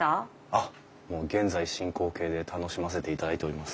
あっもう現在進行形で楽しませていただいております。